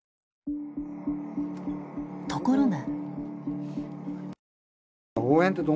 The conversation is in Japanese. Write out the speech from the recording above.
ところが。